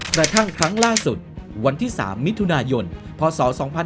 กระทั่งครั้งล่าสุดวันที่๓มิถุนายนพศ๒๕๕๙